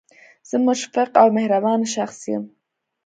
زه مشفق او مهربانه شخص یم